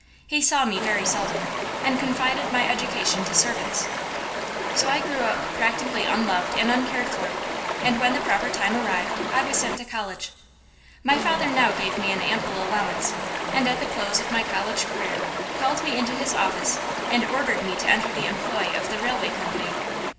He saw me very seldom and confided my education to servants. So I grew up practically unloved and uncared for, and when the proper time arrived I was sent to college. My father now gave me an ample allowance, and at the close of my college career called me into his office and ordered me to enter the employ of the railway company.